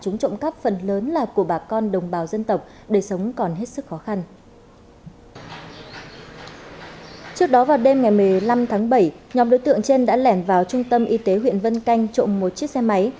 nhóm đối tượng trên đã lẻn vào trung tâm y tế huyện vân canh trộm một chiếc xe máy